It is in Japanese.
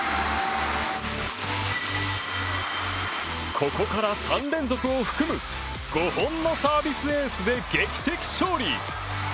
ここから３連続を含む５本のサービスエースで劇的勝利。